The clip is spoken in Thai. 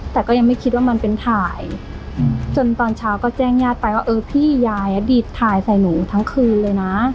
แต่ก็ยังไม่คิดว่ามันเป็นถ่ายจนตอนเช้าก็แจ้งญาติไปว่าเออพี่ยายอดีตถ่ายใส่หนูทั้งคืนเลยนะ